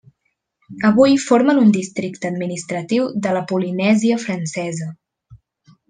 Avui formen un districte administratiu de la Polinèsia Francesa.